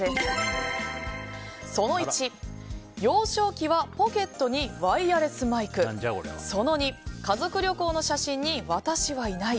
その１、幼少期はポケットにワイヤレスマイクその２、家族旅行の写真に私はいない